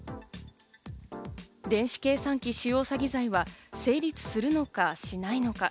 電子計算機使用詐欺罪は成立するのか、しないのか。